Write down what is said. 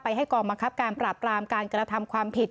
ไปให้กรมคับการปราบกรามการกระทำความผิด